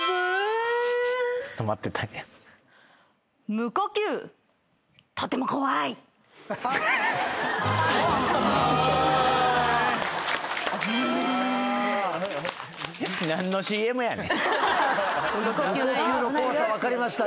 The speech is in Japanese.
無呼吸の怖さ分かりました